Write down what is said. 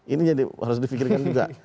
ini harus difikirkan juga